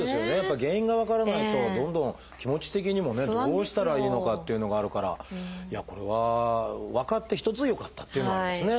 原因が分からないとどんどん気持ち的にもねどうしたらいいのかっていうのがあるからこれは分かって一つよかったっていうようなことですね。